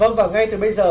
vâng và ngay từ bây giờ